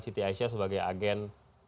siti aisyah sebagai agen